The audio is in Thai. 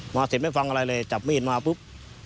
เสร็จไม่ฟังอะไรเลยจับมีดมาปุ๊บ